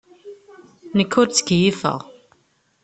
Nekk ur ttkeyyifeɣ.